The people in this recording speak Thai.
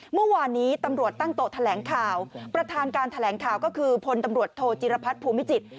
เมื่อวานนี้ตำรวจตั้งโต๊ะแถลงข่าวประธานการแถลงข่าวก็คือพลตำรวจโทจิรพัฒน์ภูมิจิตร